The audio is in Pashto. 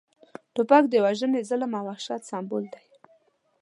توپک د وژنې، ظلم او وحشت سمبول دی